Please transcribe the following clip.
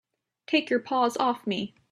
Take your paws off me!